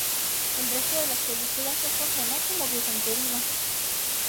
El resto de las películas no funciono como hubiesen querido.